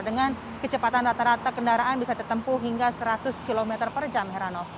dengan kecepatan rata rata kendaraan bisa ditempuh hingga seratus km per jam herano